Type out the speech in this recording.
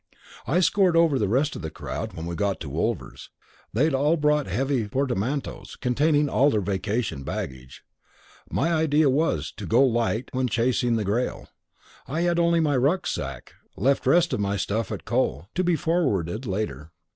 I scored over the rest of the crowd when we got to Wolvers. They had all brought heavy portmanteaus, containing all their vacation baggage. My idea was, go light when chasing the Grail. Had only my rucksack, left rest of my stuff at coll., to be forwarded later.